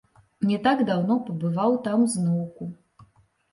Не так даўно пабываў там зноўку.